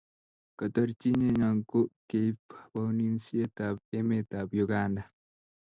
kotorchinenyo ko keib bounisiet ab emetab uganda